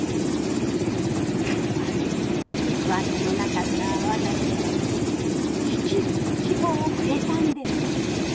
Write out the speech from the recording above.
彼は行く当てのなかった私たちに生きる希望をくれたんです。